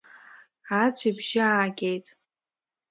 Аӡә ибжьы аагеит.